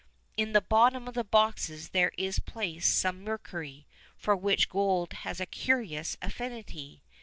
In the bottom of the boxes there is placed some mercury, for which gold has a curious affinity.